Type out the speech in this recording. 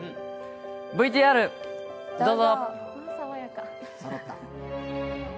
ＶＴＲどうぞ。